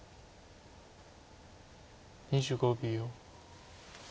２５秒。